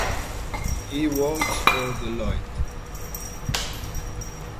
He works for Deloitte.